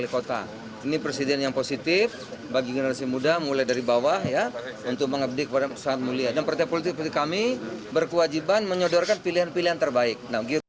kami berkewajiban menyodorkan pilihan pilihan terbaik